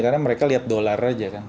karena mereka lihat dolar aja kan